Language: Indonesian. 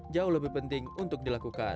jauh lebih penting untuk dilakukan